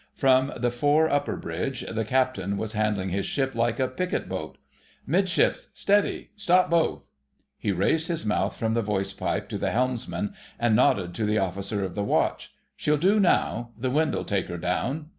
From the fore upper bridge the Captain was handling his ship like a picket boat. "'Midships—steady! Stop both!" He raised his mouth from the voice pipe to the helmsman, and nodded to the Officer of the Watch. "She'll do now.... The wind 'll take her down."